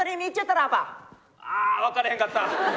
ああ分からへんかった！